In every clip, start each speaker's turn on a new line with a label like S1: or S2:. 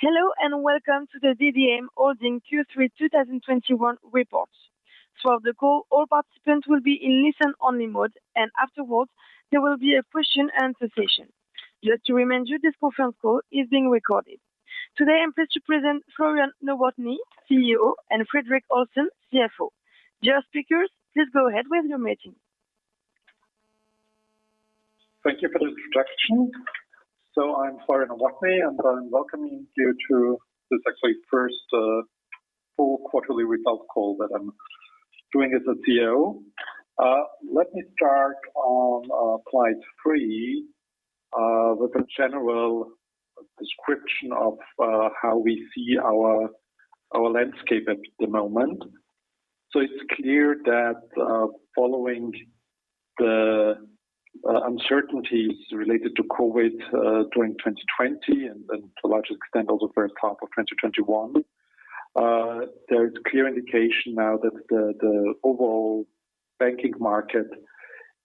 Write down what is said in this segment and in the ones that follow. S1: Hello, and welcome to the DDM Holding Q3 2021 report. Throughout the call, all participants will be in listen-only mode, and afterwards, there will be a question-and-answer session. Just to remind you, this conference call is being recorded. Today, I'm pleased to present Florian Nowotny, CEO, and Fredrik Olsson, CFO. Dear speakers, please go ahead with your meeting.
S2: Thank you for the introduction. I'm Florian Nowotny, and I'm welcoming you to this actually first full quarterly result call that I'm doing as a CEO. Let me start on slide 3 with a general description of how we see our landscape at the moment. It's clear that following the uncertainties related to COVID during 2020 and to a large extent also first half of 2021, there is clear indication now that the overall banking market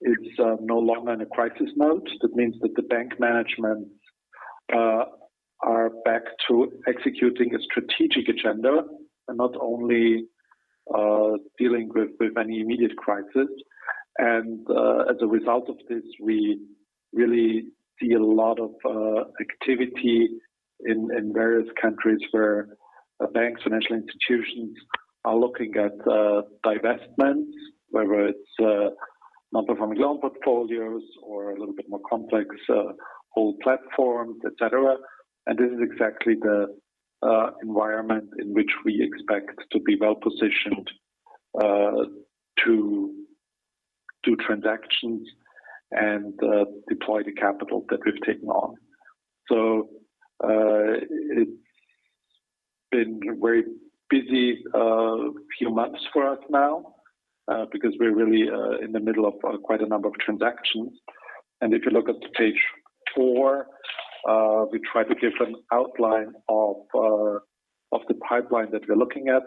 S2: is no longer in a crisis mode. That means that the bank management are back to executing a strategic agenda and not only dealing with any immediate crisis. As a result of this, we really see a lot of activity in various countries where banks, financial institutions are looking at divestments, whether it's non-performing loan portfolios or a little bit more complex whole platforms, et cetera. This is exactly the environment in which we expect to be well-positioned to do transactions and deploy the capital that we've taken on. It's been a very busy few months for us now because we're really in the middle of quite a number of transactions. If you look at page 4, we try to give an outline of the pipeline that we're looking at.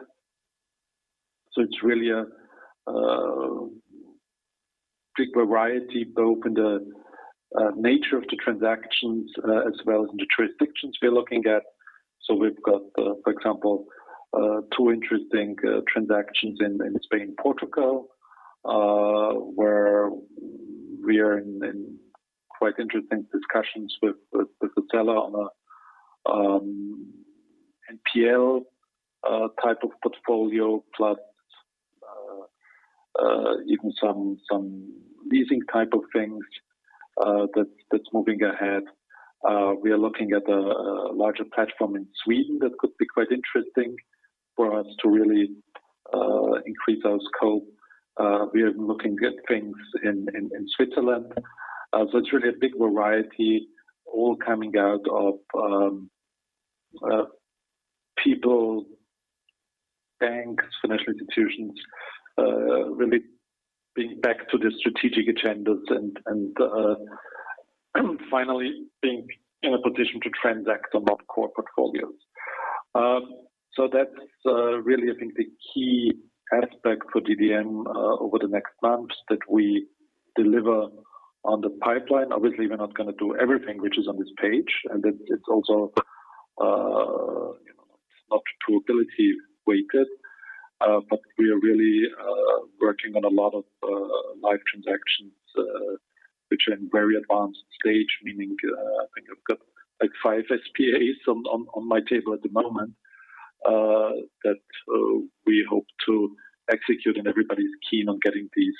S2: It's really a big variety, both in the nature of the transactions as well as in the jurisdictions we're looking at. We've got, for example, two interesting transactions in Spain and Portugal, where we are in quite interesting discussions with the seller on a NPL type of portfolio plus even some leasing type of things, that's moving ahead. We are looking at a larger platform in Sweden that could be quite interesting for us to really increase our scope. We are looking at things in Switzerland. It's really a big variety all coming out of people, banks, financial institutions, really being back to the strategic agendas and finally being in a position to transact on non-core portfolios. That's really, I think the key aspect for DDM over the next months that we deliver on the pipeline. Obviously, we're not gonna do everything which is on this page. It's also, you know, not probability weighted, but we are really working on a lot of live transactions, which are in very advanced stage, meaning, I think I've got like five SPAs on my table at the moment, that we hope to execute, and everybody's keen on getting these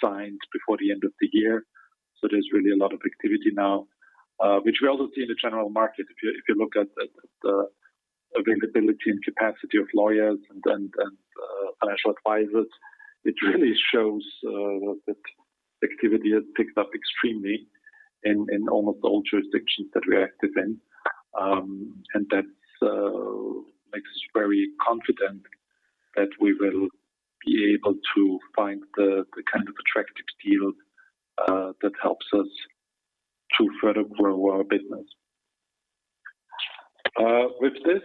S2: signed before the end of the year. There's really a lot of activity now, which we also see in the general market. If you look at the availability and capacity of lawyers and financial advisors, it really shows that activity has picked up extremely in almost all jurisdictions that we are active in. That makes us very confident that we will be able to find the kind of attractive deals that helps us to further grow our business. With this,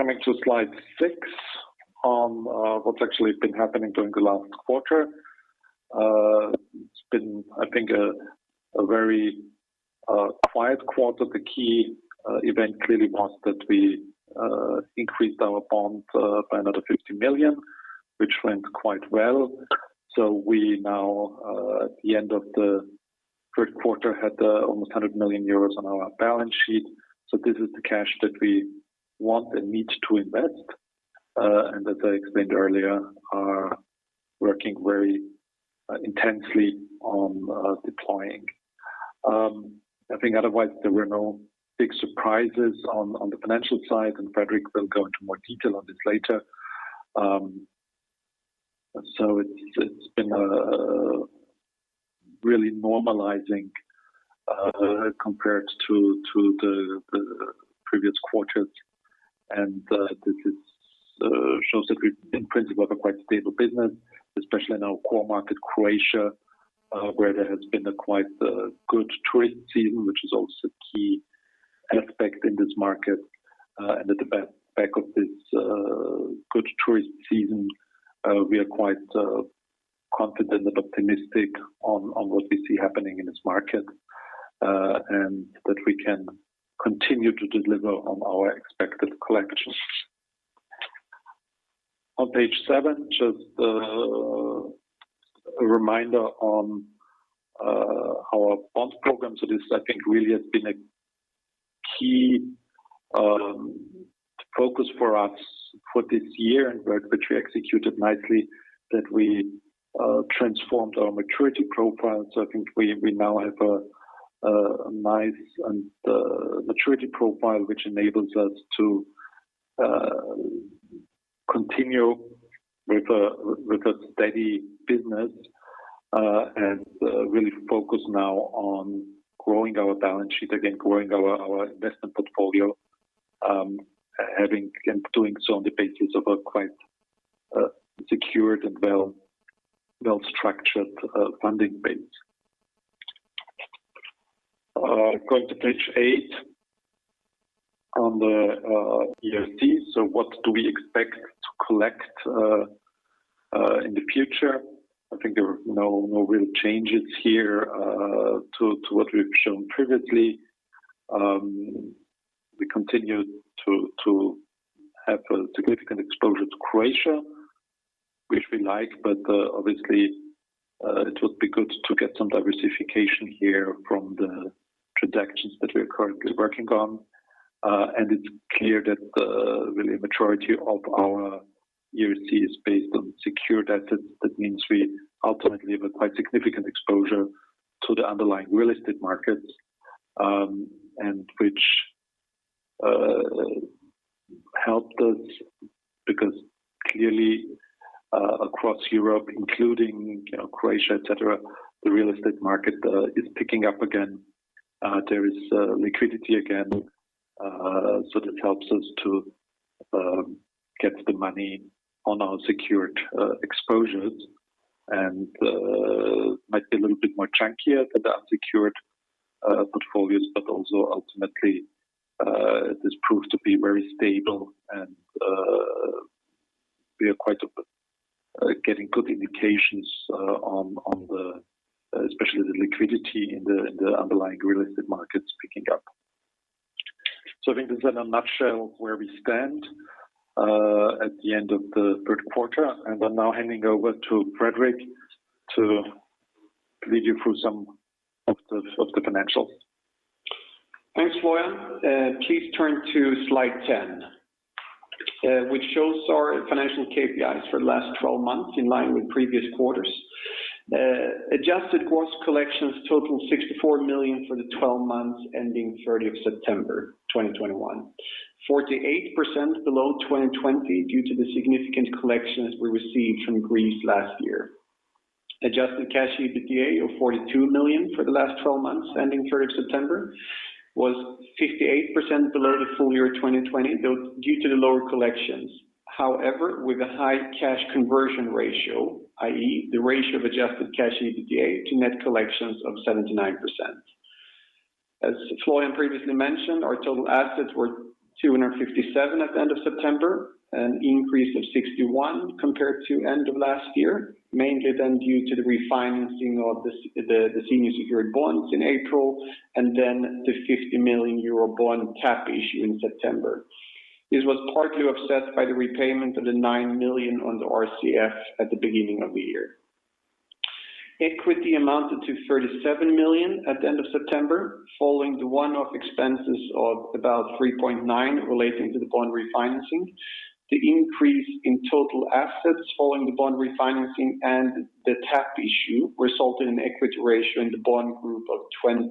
S2: coming to slide six on what's actually been happening during the last quarter. It's been, I think, a very quiet quarter. The key event clearly was that we increased our bond by another 50 million, which went quite well. We now at the end of the third quarter had almost 100 million euros on our balance sheet. This is the cash that we want and need to invest and as I explained earlier, are working very intensely on deploying. I think otherwise there were no big surprises on the financial side, and Fredrik will go into more detail on this later. It's been really normalizing compared to the previous quarters. This shows that we've in principle have a quite stable business, especially in our core market, Croatia, where there has been a quite good tourist season, which is also a key aspect in this market. At the back of this good tourist season, we are quite confident and optimistic on what we see happening in this market, and that we can continue to deliver on our expected collections. On page seven, just a reminder on our bond programs. That is, I think, really has been a key focus for us for this year and work which we executed nicely, that we transformed our maturity profile. I think we now have a nice maturity profile which enables us to continue with a steady business and really focus now on growing our balance sheet, again growing our investment portfolio, having and doing so on the basis of a quite secured and well-structured funding base. Going to page 8 on the ERC. What do we expect to collect in the future? I think there were no real changes here to what we've shown previously. We continue to have a significant exposure to Croatia, which we like, but obviously, it would be good to get some diversification here from the transactions that we're currently working on. It's clear that really a majority of our ERC is based on secured debt. That means we ultimately have a quite significant exposure to the underlying real estate markets, and which helped us because clearly across Europe, including you know Croatia et cetera the real estate market is picking up again. There is liquidity again so that helps us to get the money on our secured exposures and might be a little bit more chunkier for the unsecured portfolios, but also ultimately this proves to be very stable and we are quite getting good indications on especially the liquidity in the underlying real estate markets picking up. I think that's in a nutshell where we stand at the end of the third quarter, and I'm now handing over to Fredrik to lead you through some of the financials.
S3: Thanks, Florian. Please turn to slide 10, which shows our financial KPIs for the last 12 months in line with previous quarters. Adjusted gross collections total 64 million for the 12 months ending 30 September 2021. 48% below 2020 due to the significant collections we received from Greece last year. Adjusted cash EBITDA of 42 million for the last 12 months ending 30 September was 58% below the full year 2020 though due to the lower collections. However, with a high cash conversion ratio, i.e., the ratio of adjusted cash EBITDA to net collections of 79%. As Florian previously mentioned, our total assets were 267 at the end of September, an increase of 61 compared to end of last year, mainly then due to the refinancing of the senior secured bonds in April and then the 50 million euro bond tap issue in September. This was partly offset by the repayment of the 9 million on the RCF at the beginning of the year. Equity amounted to 37 million at the end of September, following the one-off expenses of about 3.9 relating to the bond refinancing. The increase in total assets following the bond refinancing and the tap issue resulted in equity ratio in the bond group of 20.5%.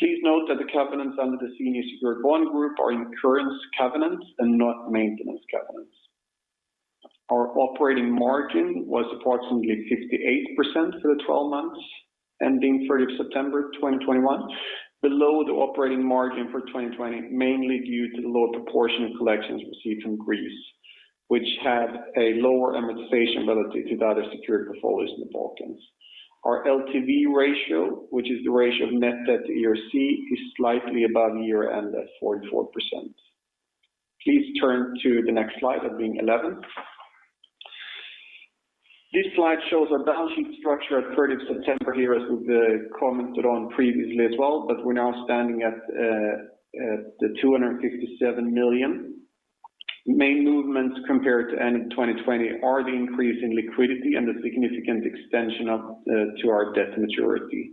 S3: Please note that the covenants under the senior secured bond group are incurrence covenants and not maintenance covenants. Our operating margin was approximately 58% for the twelve months ending September 3, 2021, below the operating margin for 2020, mainly due to the lower proportion of collections received from Greece, which had a lower amortization relative to the other secured portfolios in the Balkans. Our LTV ratio, which is the ratio of net debt to ERC, is slightly above year-end at 44%. Please turn to the next slide, that being 11. This slide shows our balance sheet structure at September 3 here, as we've commented on previously as well, but we're now standing at the 257 million. Main movements compared to end of 2020 are the increase in liquidity and the significant extension to our debt maturity.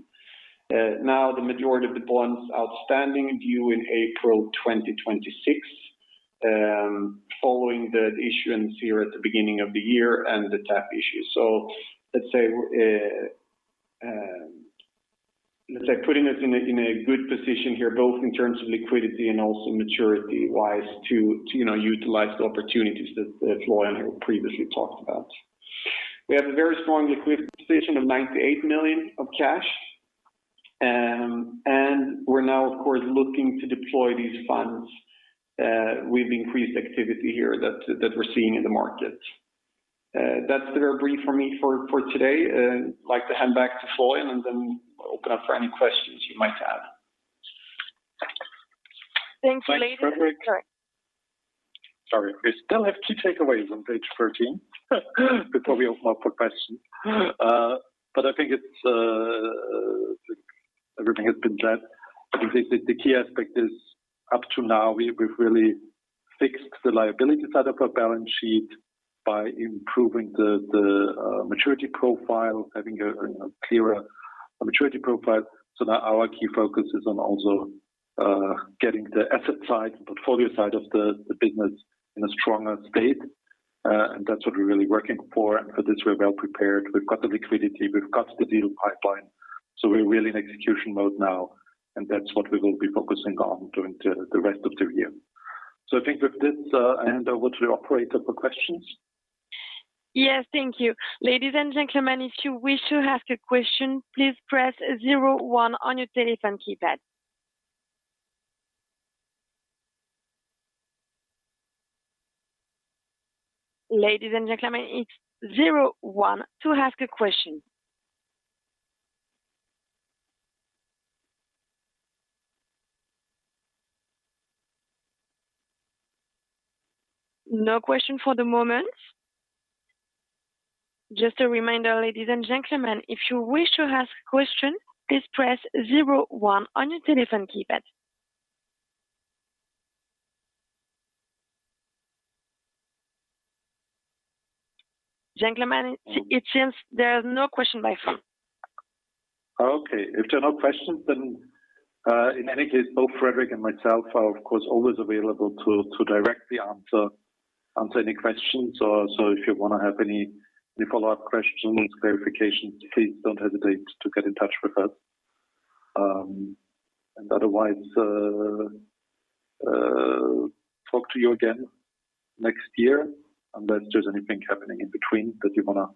S3: Now the majority of the bonds outstanding are due in April 2026 following the issuance here at the beginning of the year and the tap issue, let's say putting us in a good position here, both in terms of liquidity and also maturity-wise to you know utilize the opportunities that Florian here previously talked about. We have a very strong liquidity position of 98 million of cash, and we're now of course looking to deploy these funds with increased activity here that we're seeing in the market. That's very brief for me today. I'd like to hand back to Florian and then open up for any questions you might have.
S2: Thanks, Fredrik. Sorry, we still have key takeaways on page 13 before we open up for questions. I think it's everything has been said. I think the key aspect is up to now, we've really fixed the liability side of our balance sheet by improving the maturity profile, having a clearer maturity profile, so that our key focus is on also getting the asset side, the portfolio side of the business in a stronger state. That's what we're really working for. For this, we're well-prepared. We've got the liquidity, we've got the deal pipeline, so we're really in execution mode now, and that's what we will be focusing on during the rest of the year. I think with this, I hand over to the operator for questions.
S1: Yes, thank you. Ladies and gentlemen, if you wish to ask a question, please press zero one on your telephone keypad. Ladies and gentlemen, it's zero one to ask a question. No question for the moment. Just a reminder, ladies and gentlemen, if you wish to ask a question, please press zero one on your telephone keypad. Gentlemen, it seems there are no question by phone.
S2: Okay. If there are no questions, then, in any case, both Fredrik and myself are, of course, always available to directly answer any questions. If you wanna have any follow-up questions, clarifications, please don't hesitate to get in touch with us. Otherwise, talk to you again next year, unless there's anything happening in between that you wanna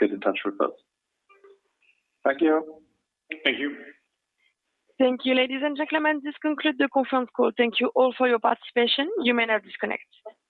S2: get in touch with us. Thank you.
S1: Thank you. Thank you, ladies and gentlemen. This concludes the conference call. Thank you all for your participation. You may now disconnect.